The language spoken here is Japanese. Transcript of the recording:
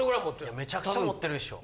いやめちゃくちゃ持ってるでしょ。